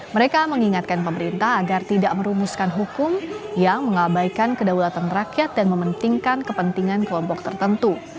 mereka mengingatkan pemerintah agar tidak merumuskan hukum yang mengabaikan kedaulatan rakyat dan mementingkan kepentingan kelompok tertentu